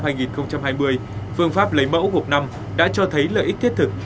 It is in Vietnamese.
phương pháp lấy mẫu gộp năm đã cho thấy lợi ích thiết thực